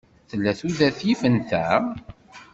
Tella tudert yifen ta?